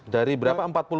dari berapa empat puluh ribu